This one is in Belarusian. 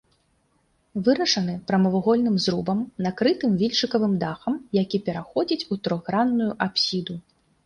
Вырашаны прамавугольным зрубам, накрытым вільчыкавым дахам, які пераходзіць у трохгранную апсіду.